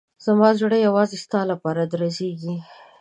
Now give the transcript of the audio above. زما زړه یوازې ستا لپاره درزېږي.